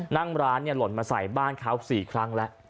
นั่งร้านหล่นมาใส่บ้านเขา๔ครั้งแล้ว